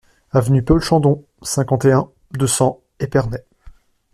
Avenue Paul Chandon, cinquante et un, deux cents Épernay